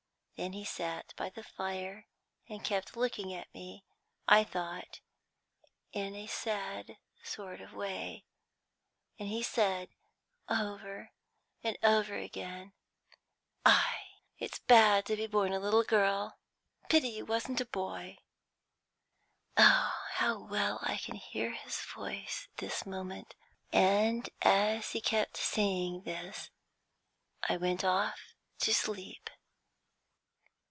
Then he sat by the fire, and kept looking at me, I thought, in a sad sort of way; and he said, over and over again, 'Ay, it's bad to be born a little girl; it's bad to be born a little girl; pity you wasn't a boy.' Oh, how well I can hear his voice this moment! And as he kept saying this, I went off to sleep."